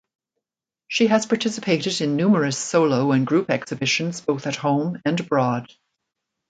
She has participated in numerous solo and group exhibitions both at home and abroad.